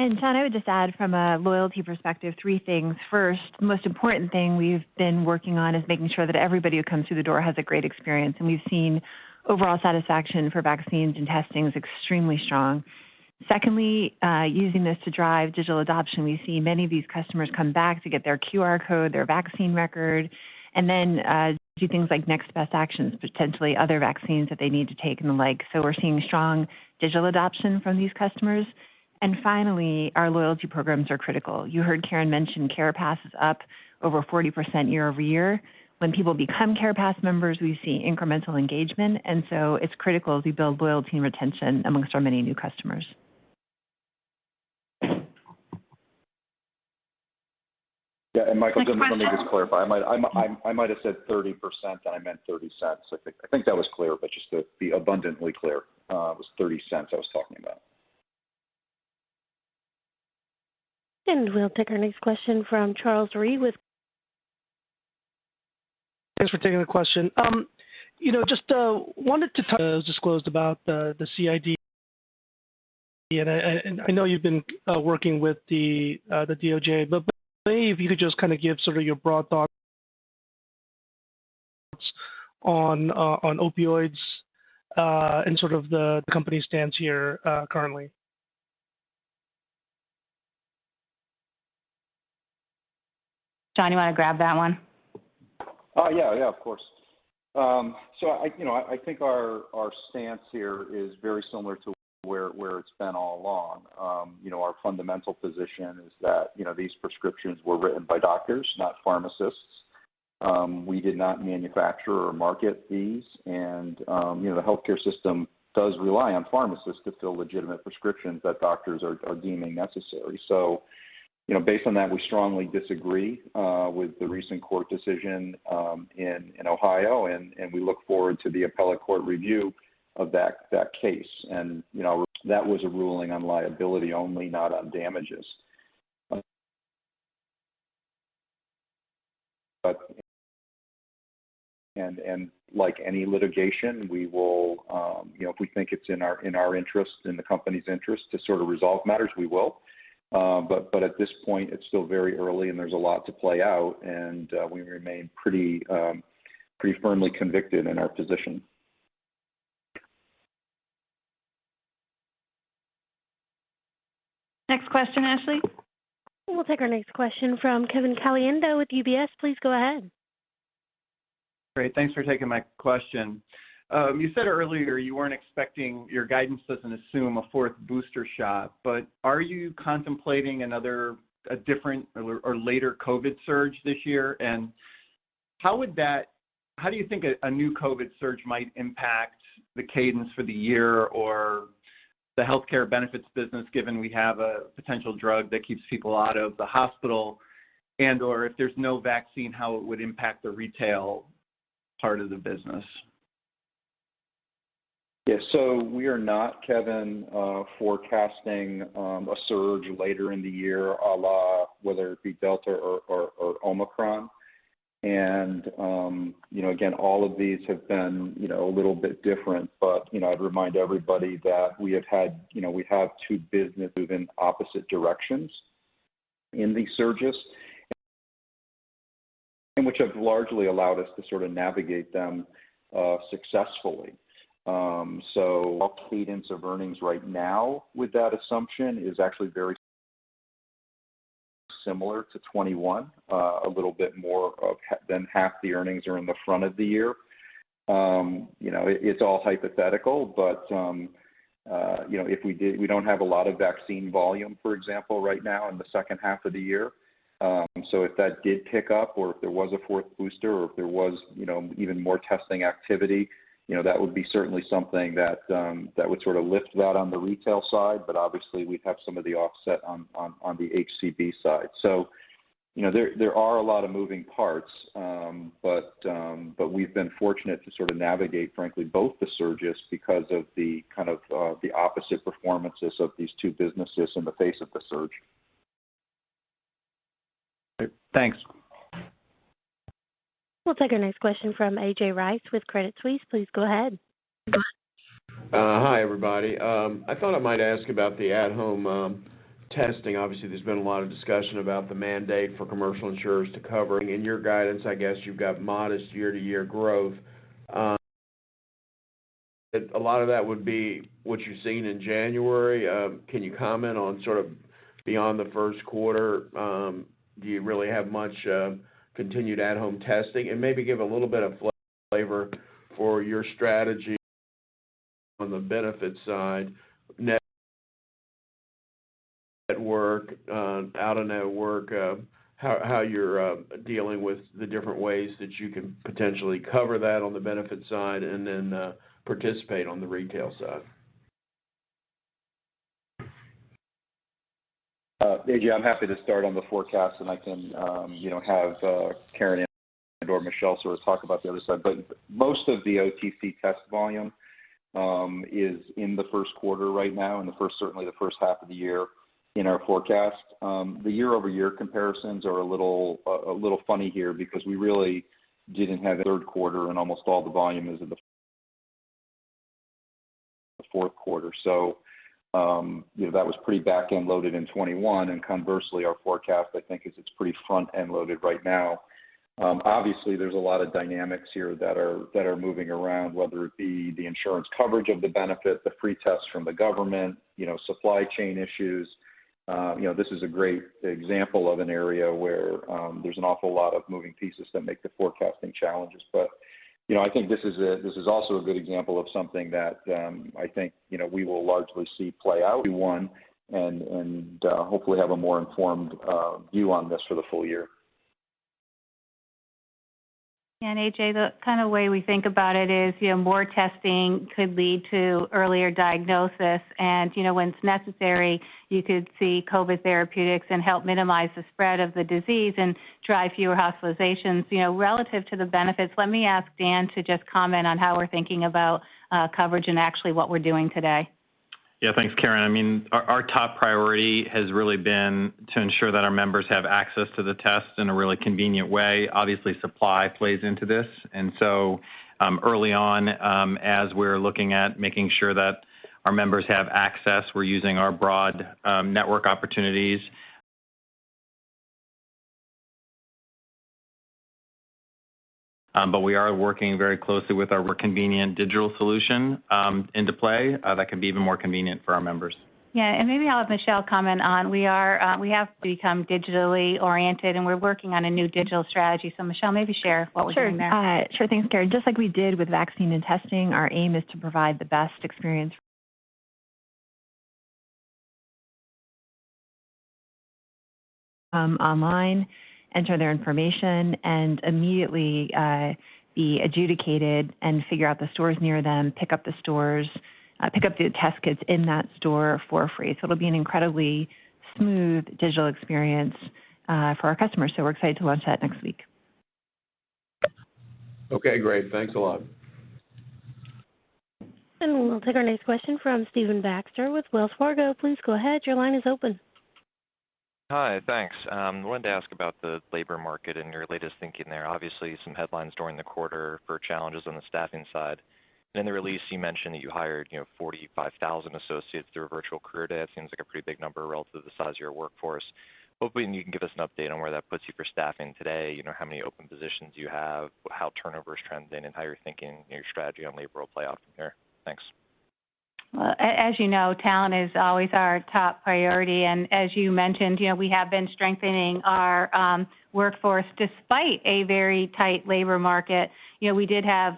line here. John, I would just add from a loyalty perspective, three things. First, the most important thing we've been working on is making sure that everybody who comes through the door has a great experience, and we've seen overall satisfaction for vaccines and testing is extremely strong. Secondly, using this to drive digital adoption, we see many of these customers come back to get their QR code, their vaccine record, and then do things like next best actions, potentially other vaccines that they need to take and the like. We're seeing strong digital adoption from these customers. Finally, our loyalty programs are critical. You heard Karen mention CarePass is up over 40% year-over-year. When people become CarePass members, we see incremental engagement, and so it's critical as we build loyalty and retention amongst our many new customers. Yeah. Michael, let me just clarify. I might have said 30%, and I meant $0.30. I think that was clear, but just to be abundantly clear, it was $0.30 I was talking about. We'll take our next question from Charles Rhyee with. Thanks for taking the question. You know, just wanted to touch on the disclosure about the CID. I know you've been working with the DOJ, but maybe if you could just kind of give sort of your broad thoughts on opioids, and sort of the company stance here, currently. John, you wanna grab that one? Yeah, of course. I, you know, I think our stance here is very similar to where it's been all along. You know, our fundamental position is that, you know, these prescriptions were written by doctors, not pharmacists. We did not manufacture or market these, and you know, the healthcare system does rely on pharmacists to fill legitimate prescriptions that doctors are deeming necessary. You know, based on that, we strongly disagree with the recent court decision in Ohio, and we look forward to the appellate court review of that case. You know, that was a ruling on liability only, not on damages. Like any litigation, we will, you know, if we think it's in our interest, in the company's interest to sort of resolve matters, we will. At this point, it's still very early, and there's a lot to play out, and we remain pretty firmly convicted in our position. Next question, Ashley. We'll take our next question from Kevin Caliendo with UBS. Please go ahead. Great. Thanks for taking my question. You said earlier your guidance doesn't assume a fourth booster shot, but are you contemplating another, a different or later COVID surge this year? And how do you think a new COVID surge might impact the cadence for the year or the healthcare benefits business, given we have a potential drug that keeps people out of the hospital and/or if there's no vaccine, how it would impact the retail part of the business? Yeah. We are not, Kevin, forecasting a surge later in the year a la whether it be Delta or Omicron. You know, again, all of these have been, you know, a little bit different. You know, I'd remind everybody that we have had, you know, we have two businesses moving opposite directions in these surges, and which have largely allowed us to sort of navigate them successfully. Our cadence of earnings right now with that assumption is actually very similar to 2021. A little bit more than half the earnings are in the front of the year. You know, it's all hypothetical, but you know, we don't have a lot of vaccine volume, for example, right now in the second half of the year. If that did pick up or if there was a fourth booster or if there was, you know, even more testing activity, you know, that would be certainly something that would sort of lift that on the retail side. Obviously, we'd have some of the offset on the HCB side. You know, there are a lot of moving parts, but we've been fortunate to sort of navigate, frankly, both the surges because of the kind, the opposite performances of these two businesses in the face of the surge. Thanks. We'll take our next question from A.J. Rice with Credit Suisse. Please go ahead. Hi, everybody. I thought I might ask about the at-home testing. Obviously, there's been a lot of discussion about the mandate for commercial insurers to cover. In your guidance, I guess, you've got modest year-to-year growth. A lot of that would be what you're seeing in January. Can you comment on sort of beyond the first quarter, do you really have much continued at-home testing? Maybe give a little bit of flavor for your strategy on the benefit side. Network, out-of-network, how you're dealing with the different ways that you can potentially cover that on the benefit side, and then participate on the retail side. A.J., I'm happy to start on the forecast, and I can, you know, have Karen and/or Michelle sort of talk about the other side. Most of the OTC test volume is in the first quarter right now, certainly the first half of the year in our forecast. The year-over-year comparisons are a little funny here because we really didn't have third quarter and almost all the volume is in the fourth quarter. You know, that was pretty back-end loaded in 2021, and conversely our forecast, I think, is it's pretty front-end loaded right now. Obviously, there's a lot of dynamics here that are moving around, whether it be the insurance coverage of the benefit, the free tests from the government, you know, supply chain issues. You know, this is a great example of an area where there's an awful lot of moving pieces that make the forecasting challenges. You know, I think this is also a good example of something that, I think, you know, we will largely see play out in 2021 and hopefully have a more informed view on this for the full year. Yeah. A.J., the kind of way we think about it is, you know, more testing could lead to earlier diagnosis and, you know, when it's necessary, you could see COVID therapeutics and help minimize the spread of the disease and drive fewer hospitalizations. You know, relative to the benefits, let me ask Dan to just comment on how we're thinking about coverage and actually what we're doing today. Yeah. Thanks, Karen. I mean, our top priority has really been to ensure that our members have access to the tests in a really convenient way. Obviously, supply plays into this. Early on, as we're looking at making sure that our members have access, we're using our broad network opportunities. We are working very closely with our convenient digital solution into play that can be even more convenient for our members. Yeah. Maybe I'll have Michelle comment on we have to become digitally oriented, and we're working on a new digital strategy. Michelle, maybe share what we're doing there. Sure. Sure thing, Karen. Just like we did with vaccine and testing, our aim is to provide the best experience online, enter their information, and immediately be adjudicated and figure out the stores near them, pick a store, pick up the test kits in that store for free. It'll be an incredibly smooth digital experience for our customers. We're excited to launch that next week. Okay, great. Thanks a lot. We'll take our next question from Stephen Baxter with Wells Fargo. Please go ahead. Your line is open. Hi. Thanks. Wanted to ask about the labor market and your latest thinking there. Obviously, some headlines during the quarter for challenges on the staffing side. In the release you mentioned that you hired, you know, 45,000 associates through a virtual career day. It seems like a pretty big number relative to the size of your workforce. Hoping you can give us an update on where that puts you for staffing today, you know, how many open positions you have, how turnover is trending, and how you're thinking your strategy on labor will play out from here. Thanks. Well, as you know, talent is always our top priority. As you mentioned, you know, we have been strengthening our workforce despite a very tight labor market. You know, we did have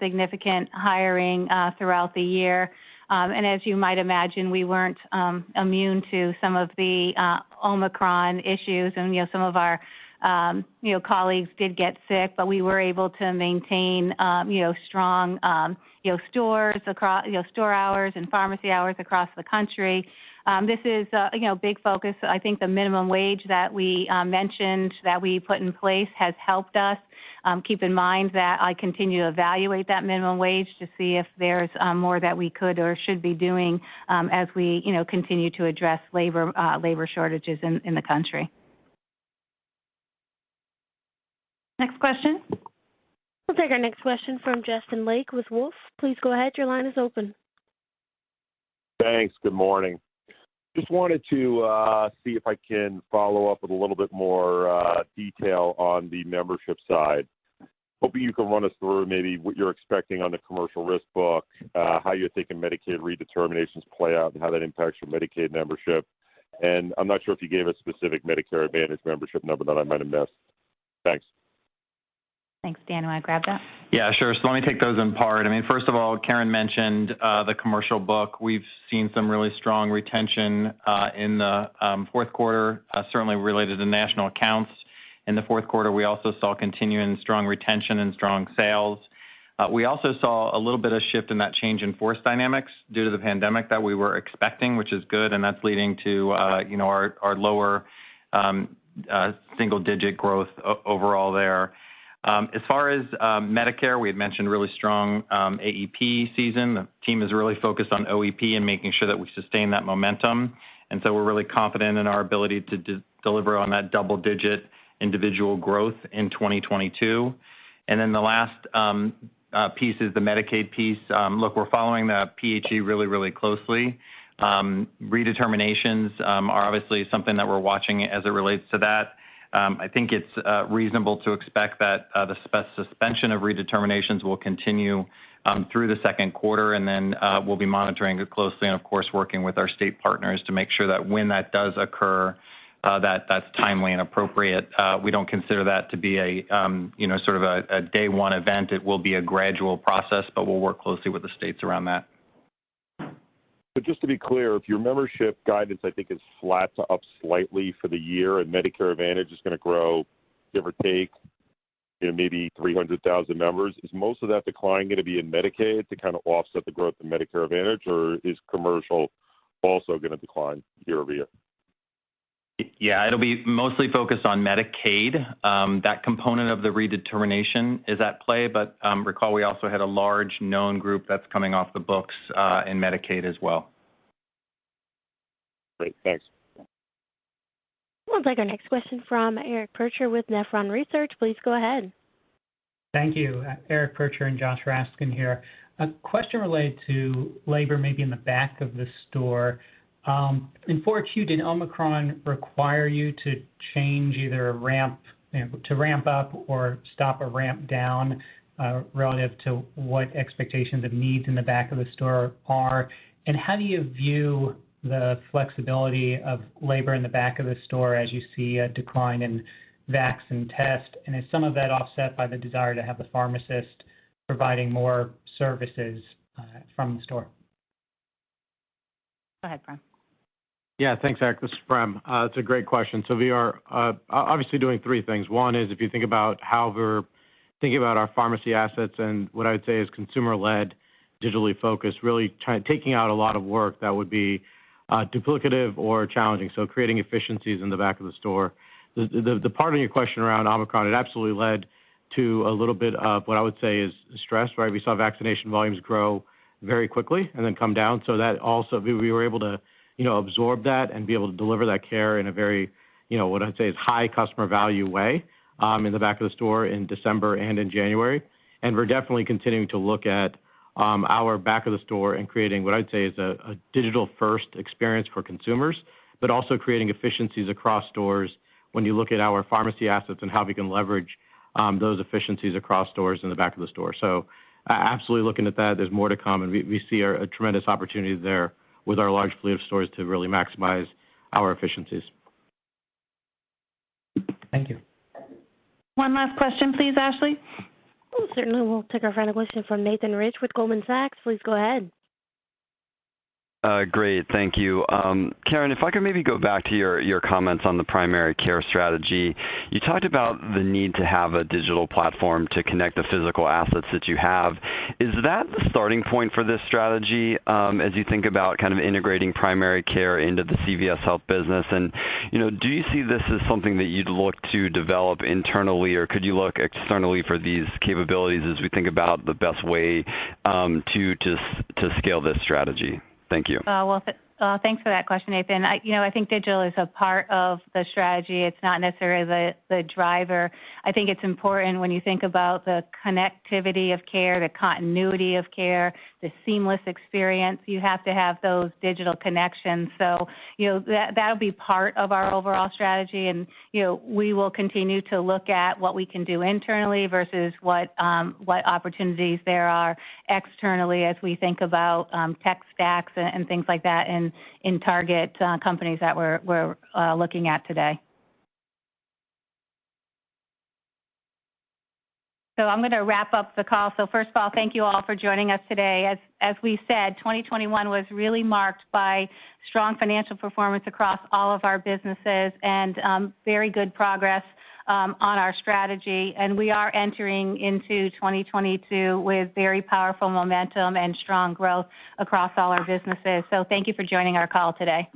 significant hiring throughout the year. As you might imagine, we weren't immune to some of the Omicron issues. You know, some of our colleagues did get sick, but we were able to maintain strong store hours and pharmacy hours across the country. You know, this is a big focus. I think the minimum wage that we mentioned that we put in place has helped us. Keep in mind that I continue to evaluate that minimum wage to see if there's more that we could or should be doing, as we, you know, continue to address labor shortages in the country. Next question. We'll take our next question from Justin Lake with Wolfe. Please go ahead. Your line is open. Thanks. Good morning. Just wanted to see if I can follow up with a little bit more detail on the membership side. Hoping you can run us through maybe what you're expecting on the commercial risk book, how you're thinking Medicaid redeterminations play out, and how that impacts your Medicaid membership. I'm not sure if you gave a specific Medicare Advantage membership number that I might have missed. Thanks. Thanks. Dan, wanna grab that? Yeah, sure. Let me take those in part. I mean, first of all, Karen mentioned the commercial book. We've seen some really strong retention in the fourth quarter certainly related to national accounts. In the fourth quarter, we also saw continuing strong retention and strong sales. We also saw a little bit of shift in that change in force dynamics due to the pandemic that we were expecting, which is good, and that's leading to, you know, our lower single digit growth overall there. As far as Medicare, we had mentioned really strong AEP season. The team is really focused on OEP and making sure that we sustain that momentum. We're really confident in our ability to deliver on that double-digit individual growth in 2022. The last piece is the Medicaid piece. Look, we're following the PHE really closely. Redeterminations are obviously something that we're watching as it relates to that. I think it's reasonable to expect that the suspension of redeterminations will continue through the second quarter, and then we'll be monitoring it closely and, of course, working with our state partners to make sure that when that does occur, that that's timely and appropriate. We don't consider that to be a, you know, sort of a day one event. It will be a gradual process, but we'll work closely with the states around that. Just to be clear, if your membership guidance, I think, is flat to up slightly for the year and Medicare Advantage is gonna grow, give or take, you know, maybe 300,000 members, is most of that decline gonna be in Medicaid to kind of offset the growth in Medicare Advantage, or is commercial also gonna decline year-over-year? Yeah. It'll be mostly focused on Medicaid. That component of the redetermination is at play, but recall we also had a large known group that's coming off the books in Medicaid as well. Great. Thanks. We'll take our next question from Eric Percher with Nephron Research. Please go ahead. Thank you. Eric Percher and Joshua Raskin here. A question related to labor maybe in the back of the store. In 4Q, did Omicron require you to change either a ramp, you know, to ramp up or stop a ramp down, relative to what expectations of needs in the back of the store are? How do you view the flexibility of labor in the back of the store as you see a decline in vax and test? Is some of that offset by the desire to have the pharmacist providing more services, from the store? Go ahead, Prem. Yeah. Thanks, Eric. This is Prem. It's a great question. We are obviously doing three things. One is if you think about how we're thinking about our pharmacy assets and what I would say is consumer-led, digitally focused, really taking out a lot of work that would be duplicative or challenging, so creating efficiencies in the back of the store. The part of your question around Omicron, it absolutely led to a little bit of what I would say is stress, right? We saw vaccination volumes grow very quickly and then come down. That also we were able to, you know, absorb that and be able to deliver that care in a very, you know, what I'd say is high customer value way, in the back of the store in December and in January. We're definitely continuing to look at our back of the store and creating what I'd say is a digital first experience for consumers, but also creating efficiencies across stores when you look at our pharmacy assets and how we can leverage those efficiencies across stores in the back of the store. Absolutely looking at that. There's more to come, and we see a tremendous opportunity there with our large fleet of stores to really maximize our efficiencies. Thank you. One last question, please, Ashley. Oh, certainly. We'll take our final question from Nathan Rich with Goldman Sachs. Please go ahead. Great. Thank you. Karen, if I could maybe go back to your comments on the primary care strategy. You talked about the need to have a digital platform to connect the physical assets that you have. Is that the starting point for this strategy, as you think about kind of integrating primary care into the CVS Health business? You know, do you see this as something that you'd look to develop internally, or could you look externally for these capabilities as we think about the best way to scale this strategy? Thank you. Thanks for that question, Nathan. You know, I think digital is a part of the strategy. It's not necessarily the driver. I think it's important when you think about the connectivity of care, the continuity of care, the seamless experience. You have to have those digital connections. You know, that'll be part of our overall strategy. You know, we will continue to look at what we can do internally versus what opportunities there are externally as we think about tech stacks and things like that in target companies that we're looking at today. I'm gonna wrap up the call. First of all, thank you all for joining us today. As we said, 2021 was really marked by strong financial performance across all of our businesses and very good progress on our strategy. We are entering into 2022 with very powerful momentum and strong growth across all our businesses. Thank you for joining our call today.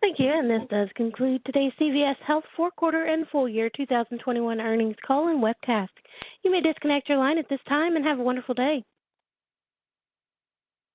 Thank you, and this does conclude today's CVS Health fourth quarter and full year 2021 earnings call and webcast. You may disconnect your line at this time, and have a wonderful day.